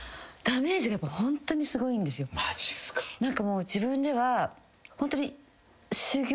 何かもう自分ではホントに。